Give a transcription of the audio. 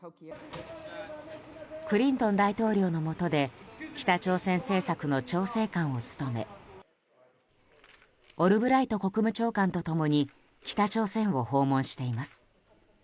クリントン大統領のもとで北朝鮮政策の調整官を務めオルブライト国務長官と共に北朝鮮を訪問しています。